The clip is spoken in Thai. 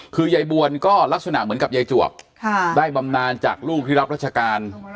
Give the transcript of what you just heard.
คือยายบวนก็ลักษณะเหมือนกับยายจวบได้บำนานจากลูกที่รับราชการ